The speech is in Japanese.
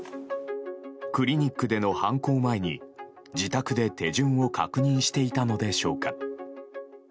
クリニックでの犯行前に自宅で手順を確認していたのでしょうか。